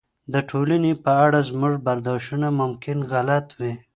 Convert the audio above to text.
د ټولنې په اړه زموږ برداشتونه ممکن غلط وي.